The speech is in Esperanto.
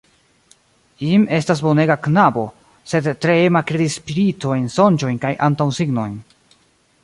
Jim estas bonega knabo, sed tre ema kredi spiritojn, sonĝojn kaj antaŭsignojn.